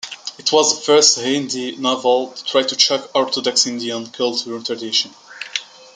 It was the first Hindi novel to try to shock orthodox Indian cultural traditions.